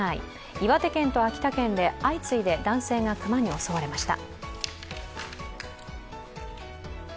岩手県と秋田県で相次いで男性が熊に襲われました。